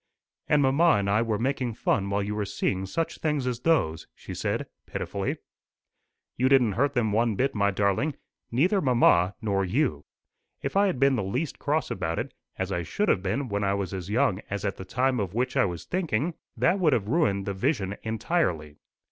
"And mamma and I were making fun while you were seeing such things as those!" she said pitifully. "You didn't hurt them one bit, my darling neither mamma nor you. If I had been the least cross about it, as I should have been when I was as young as at the time of which I was thinking, that would have ruined the vision entirely.